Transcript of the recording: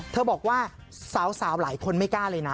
บอกว่าสาวหลายคนไม่กล้าเลยนะ